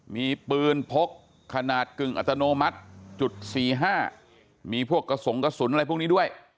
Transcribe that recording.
มีปืนพกขนาดกึ่งอัตโนมัติจุด๔๕มีพวกกระสงกระสุนอะไรพวกนี้ด้วย